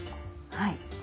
はい。